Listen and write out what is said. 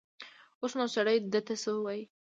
اوس نو سړی ده ته څه ووايي.